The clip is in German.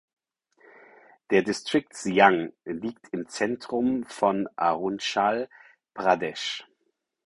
Der Distrikt Siang liegt im Zentrum von Arunachal Pradesh.